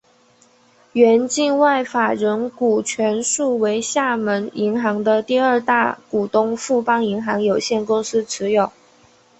原境外法人股全数为厦门银行的第二大股东富邦银行有限公司持有。